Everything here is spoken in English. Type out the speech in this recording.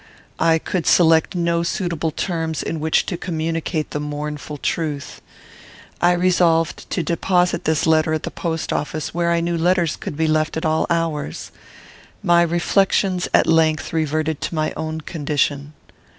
I could select no suitable terms in which to communicate the mournful truth. I resolved to deposit this letter at the post office, where I knew letters could be left at all hours. My reflections at length reverted to my own condition.